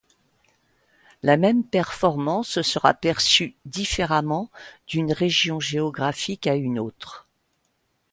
La même performance sera perçue différemment d'une région géographique à une autre.